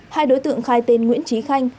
hai đối tượng khai tên nguyễn trí khanh